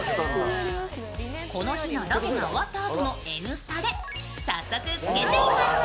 この日のロケが終わったあとの「Ｎスタ」で早速つけていました。